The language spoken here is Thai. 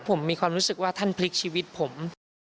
ผมมีความรู้สึกว่าท่านพลิกชีวิตผม